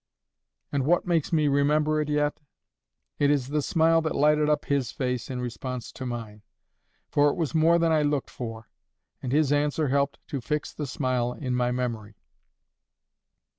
And what makes me remember it yet? It is the smile that lighted up his face in response to mine. For it was more than I looked for. And his answer helped to fix the smile in my memory.